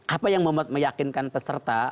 apa yang meyakinkan peserta